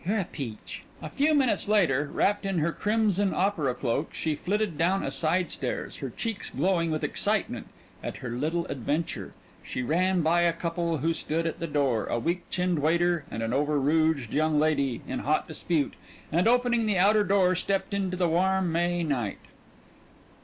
"You're a peach." A few minutes later, wrapped in her crimson opera cloak, she flitted down a side stairs, her cheeks glowing with excitement at her little adventure. She ran by a couple who stood at the door a weak chinned waiter and an over rouged young lady, in hot dispute and opening the outer door stepped into the warm May night.